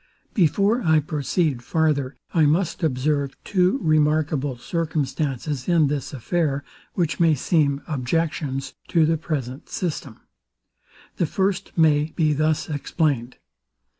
Before I proceed farther, I must observe two remarkable circumstances in this affair, which may seem objections to the present system. The first may be thus explained.